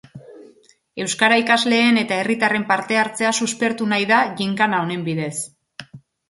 Euskara ikasleen eta herritarren parte hartzea suspertu nahi da ginkana honen bidez.